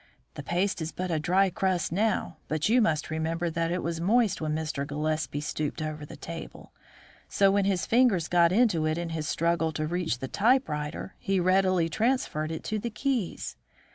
The paste is but a dry crust now, but you must remember that it was moist when Mr. Gillespie stooped over the table, so that when his fingers got into it in his struggle to reach the typewriter, he readily transferred it to the keys.